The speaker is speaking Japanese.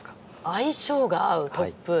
相性が合うトップ？